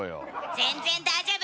全然大丈夫！